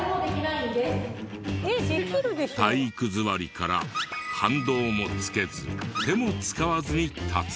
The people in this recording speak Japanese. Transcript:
体育座りから反動もつけず手も使わずに立つ。